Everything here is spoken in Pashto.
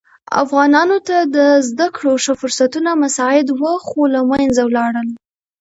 افغانانو ته د زده کړو ښه فرصتونه مساعد وه خو له منځه ولاړل.